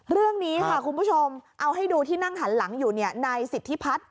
ตอนนี้คุณผู้ชมเอาให้ดูที่นั่งหันหลังอยู่ในสิทธิพัส